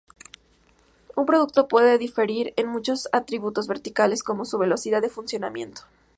Un producto puede diferir en muchos atributos verticales, como su velocidad de funcionamiento.